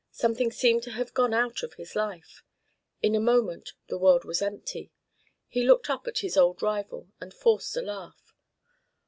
Something seemed to have gone out of his life; in a moment the world was empty. He looked up at his old rival, and forced a laugh.